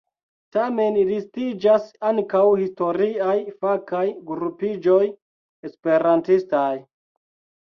Tamen listiĝas ankaŭ historiaj fakaj grupiĝoj esperantistaj.